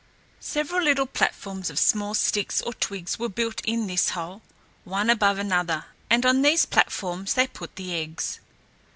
Several little platforms of small sticks or twigs were built in this hole, one above another, and on these platforms they put the eggs.